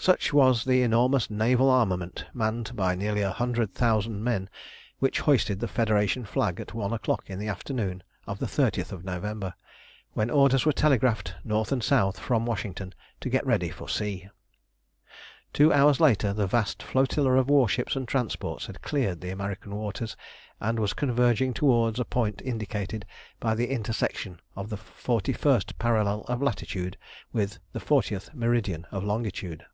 Such was the enormous naval armament, manned by nearly a hundred thousand men, which hoisted the Federation flag at one o'clock on the afternoon of the 30th of November, when orders were telegraphed north and south from Washington to get ready for sea. Two hours later the vast flotilla of warships and transports had cleared American waters, and was converging towards a point indicated by the intersection of the 41st parallel of latitude with the 40th meridian of longitude.